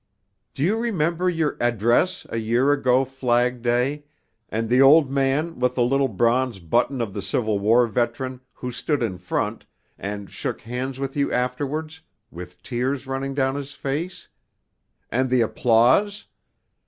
"Do you remember your address, a year ago Flag Day, and the old man with the little bronze button of the Civil War veteran, who stood in front, and shook hands with you afterwards, with tears running down his face? And the applause?